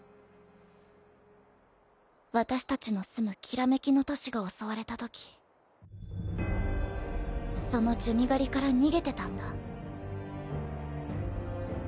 私たちの住む煌めきの都市が襲われたときその珠魅狩りから逃げてたんだ。